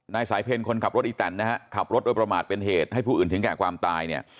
นายสายเพลคนขับรถอีแตนนะฮะขับรถโดยประมาทเป็นเหตุให้ผู้อื่นถึงแก่ความตายเนี่ย